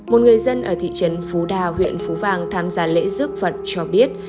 một người dân ở thị trấn phú đà huyện phú vàng tham gia lễ giúp phật cho biết